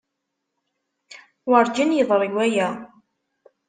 Werǧin yeḍri waya.